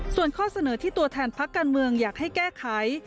ส่วนข้อเสนอที่ตัวแทนพักการเมืองอยากให้แก้ไข